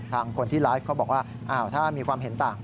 คนที่ไลฟ์เขาบอกว่าถ้ามีความเห็นต่าง